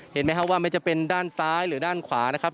เห็นไหมครับว่าไม่จะเป็นด้านซ้ายหรือด้านขวานะครับ